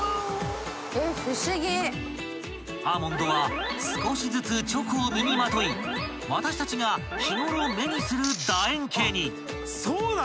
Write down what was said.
［アーモンドは少しずつチョコを身にまとい私たちが日ごろ目にする楕円形に］